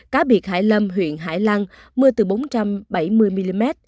cá biệt hải lâm huyện hải lăng mưa từ bốn trăm bảy mươi mm